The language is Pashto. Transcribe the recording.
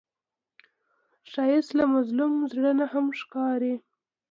ښایست له مظلوم زړه نه هم ښکاري